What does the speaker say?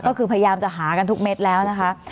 ก็คือพยายามจะหากันทุกเม็ดแล้วนะคะ